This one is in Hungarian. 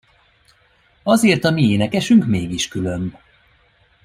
Azért a mi énekesünk mégis különb!